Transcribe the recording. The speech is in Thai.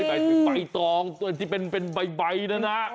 โอ้ยไบตองที่เป็นใบน่ะนะ